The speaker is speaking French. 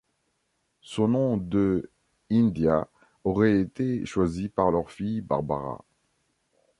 Ce nom de India aurait été choisi par leur fille Barbara.